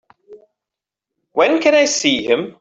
When can I see him?